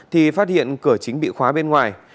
thì phát hiện cửa chính bị khóa bên ngoài